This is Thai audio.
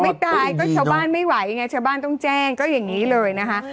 ไม่ตายก็ชาวบ้านไม่ไหวไงชาวบ้านต้องแจ้งก็อย่างนี้เลยนะคะ